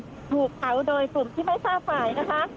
ถูกเผาโดยกลุ่มที่ไม่ทราบฝ่ายนะคะ